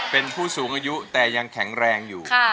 เป็นผู้สูงอายุแต่ยังแข็งแรงอยู่